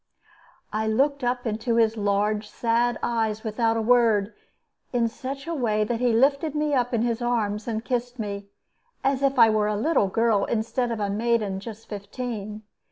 I looked up into his large, sad eyes without a word, in such a way that he lifted me up in his arms and kissed me, as if I were a little child instead of a maiden just fifteen.